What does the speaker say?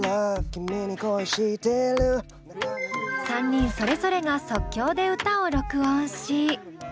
３人それぞれが即興で歌を録音し。